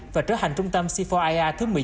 và trở hành trung tâm c bốn ir thứ một mươi chín